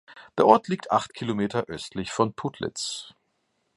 Der Ort liegt acht Kilometer östlich von Putlitz.